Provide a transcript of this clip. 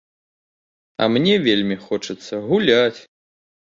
А мне вельмі хочацца гуляць.